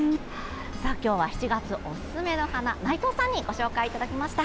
今日は７月おすすめの花内藤さんにご紹介いただきました。